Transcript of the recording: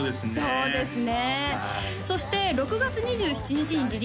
そうですね